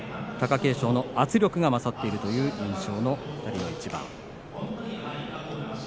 貴景勝の圧力が勝っているという印象の一番。